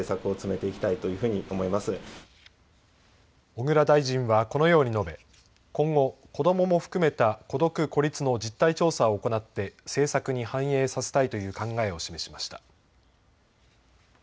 小倉大臣はこのように述べ、今後子どもも含めた孤独・孤立の実態調査を行って政策に反映させたいという考えを示しました。